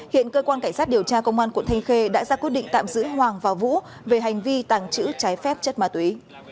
hiện cơ quan cảnh sát điều tra công an quận thanh khê đã ra quyết định tạm giữ hoàng và vũ về hành vi tàng trữ trái phép chất ma túy